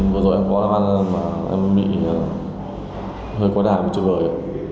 vừa rồi em có làm ăn mà em bị hơi quá đại một chút rồi